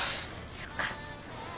そっか。